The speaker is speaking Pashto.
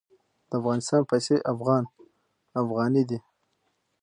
د افغانستان پیسې افغان افغاني دي.